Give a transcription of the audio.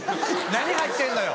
何入ってんのよ？